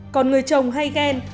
còn người chồng hay ghen